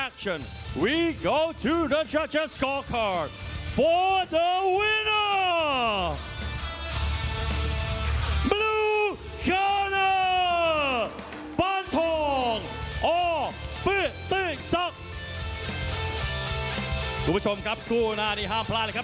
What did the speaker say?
คุณผู้ชมครับคู่หน้านี้ห้ามพลาดเลยครับ